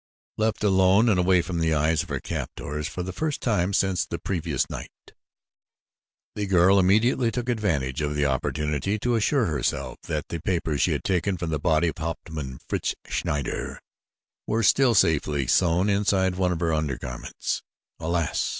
Left alone and away from the eyes of her captors for the first time since the previous night, the girl immediately took advantage of the opportunity to assure herself that the papers she had taken from the body of Hauptmann Fritz Schneider were still safely sewn inside one of her undergarments. Alas!